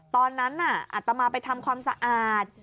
ตอนนั้นอัตมาไปทำความสะอาด